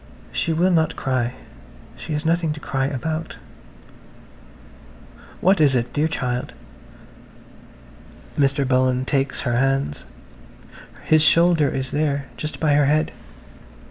She will not cry–she has nothing to cry about. ... "What is it, dear child?" Mr. Bullen takes her hands. His shoulder is there–just by her head.